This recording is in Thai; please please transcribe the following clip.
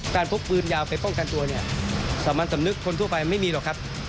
พกปืนยาวไปป้องกันตัวเนี่ยสามัญสำนึกคนทั่วไปไม่มีหรอกครับ